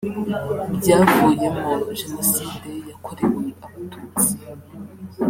byavuyemo Jenoside yakorewe Abatutsi